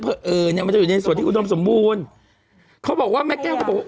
เพราะเอ่อเนี้ยมันจะอยู่ในส่วนที่อุดมสมบูรณ์เขาบอกว่าแม่แก้วก็บอกว่า